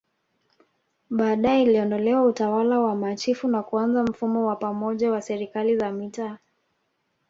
Baadae iliondolewa Utawala wa machifu na kuanza mfumo wa pamoja wa Serikali za Mitaa